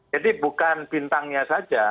jadi bukan bintangnya saja